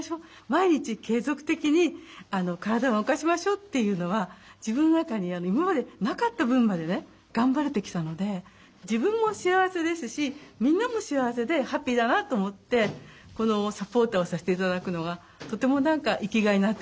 毎日継続的に体を動かしましょうっていうのは自分の中に自分も幸せですしみんなも幸せでハッピーだなと思ってこのサポーターをさせていただくのがとても何か生きがいになってます。